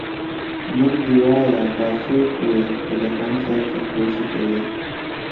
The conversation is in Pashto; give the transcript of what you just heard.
نوم دي وایه دا څوک یې د جهاني صیب چاپلوسي کوي؟🤧🧐